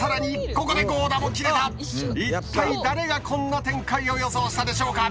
一体誰がこんな展開を予想したでしょうか。